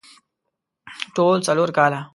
ټول څلور کاله